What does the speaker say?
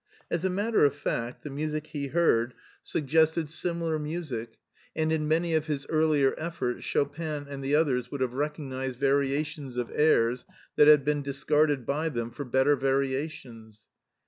As a matter of fact, the music he heard sug 6 MARTIN SCHtJLER gcstcd similar music, and in many of his earlier efforts Chopin and the others would have recognized varia tions of airs that had been discarded by them for bet ter variations.